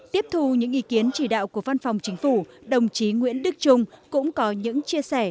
tiếp thu những ý kiến chỉ đạo của văn phòng chính phủ đồng chí nguyễn đức trung cũng có những chia sẻ